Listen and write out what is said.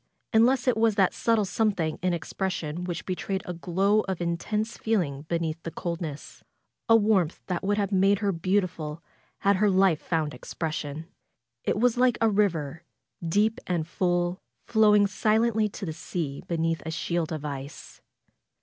Unless it was that subtle something in expression which betrayed a glow of intense feeling be neath the coldness; a warmth that would have made her beautiful had her life found expression. It was like a river — deep and full, flowing silently to the sea beneath a shield of ice.